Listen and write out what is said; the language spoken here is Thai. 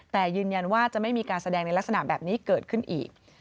แต่ยืนยันว่าจะไม่มีการแสดงในลักษณะแบบนี้เกิดขึ้นอีก